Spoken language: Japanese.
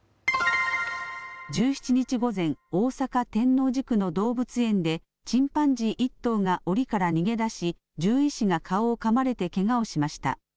１７日午前、大阪天王寺区の動物園でチンパンジー１頭がおりから逃げ出し獣医師が顔をかまれてけがをしました。